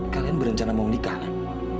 kalian berencana mau nikah kan